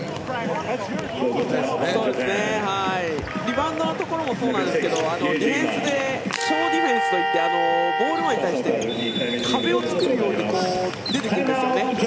リバウンドのところもそうなんですがディフェンスでショーディフェンスといって壁を作るように出てくるんですよね